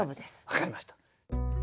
分かりました。